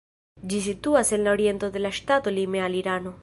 Ĝi situas en la oriento de la ŝtato, lime al Irano.